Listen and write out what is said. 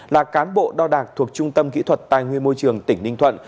là cán bộ đo đạc thuộc trung tâm kỹ thuật tài nguyên môi trường tỉnh ninh thuận